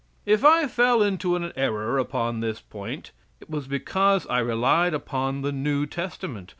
If I fell into an error upon this point it was because I relied upon the New Testament.